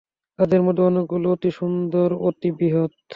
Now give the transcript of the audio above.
তাদের মধ্যে অনেকগুলো অতি সুন্দর, অতি বৃহৎ।